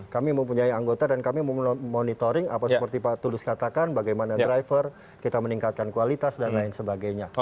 kami mempunyai anggota dan kami memonitoring apa seperti pak tulus katakan bagaimana driver kita meningkatkan kualitas dan lain sebagainya